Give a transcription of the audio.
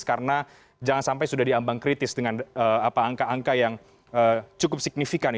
karena jangan sampai sudah diambang kritis dengan angka angka yang cukup signifikan